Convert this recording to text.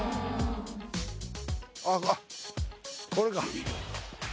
あっこれか。